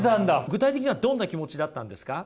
具体的にはどんな気持ちだったんですか？